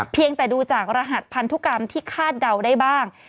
เพียงแต่ดูจากรหัสพันธุกรรมที่คาดเดาได้บ้าง